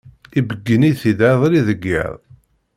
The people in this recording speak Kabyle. ibeggen-it-id iḍelli deg yiḍ.